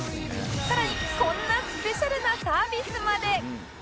さらにこんなスペシャルなサービスまで